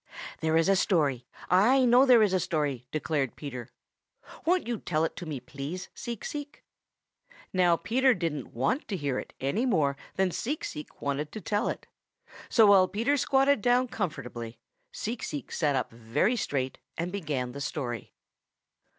"There is a story. I know there is a story," declared Peter. "Won't you tell it to me please, Seek Seek?" Now Peter didn't want to hear it any more than Seek Seek wanted to tell it, so while Peter squatted down comfortably, Seek Seek sat up very straight and began the story.